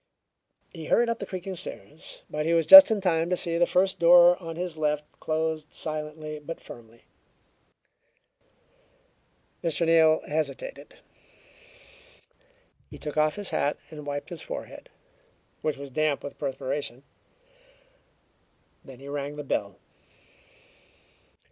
He hurried up the creaking stairs, but he was just in time to see the first door on his left closed silently but firmly. Mr. Neal hesitated. He took off his hat and wiped his forehead, which was damp with perspiration. Then he rang the bell.